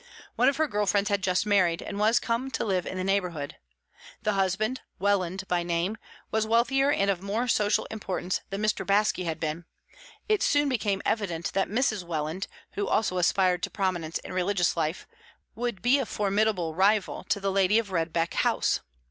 One of her girl friends had just married, and was come to live in the neighbourhood. The husband, Welland by name, was wealthier and of more social importance than Mr. Baske had been; it soon became evident that Mrs. Welland, who also aspired to prominence in religious life, would be a formidable rival to the lady of Redbeck House.